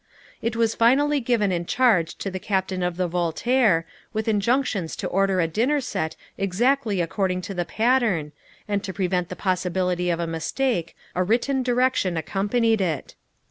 It was finally given in charge to the captain of the Voltaire, with injunctions to order a dinner set exactly according to the pattern, and to prevent the possibility of a mistake, a written direction accompanied it.